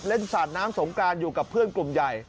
สาดน้ำสงกรานอยู่กับเพื่อนกลุ่มใหญ่